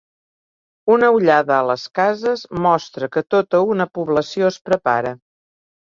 Una ullada a les cases mostra que tota una població es prepara.